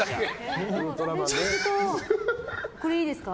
これいいですか？